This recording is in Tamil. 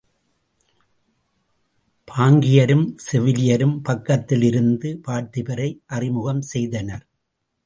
பாங்கியரும் செவிலியரும் பக்கத்தில் இருந்து பார்த்திபரை அறிமுகம் செய்தனர்.